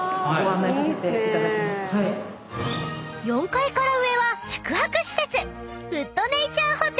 ［４階から上は宿泊施設］